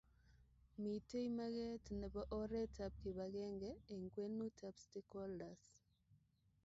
Mitei mageet nebo oretab kibagenge eng kwenutab stakeholders.